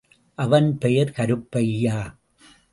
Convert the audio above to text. அவன் பெயர் கருப்பையா.